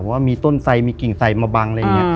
ว่ามีต้นไสมีกิ่งใส่มาบังอะไรอย่างนี้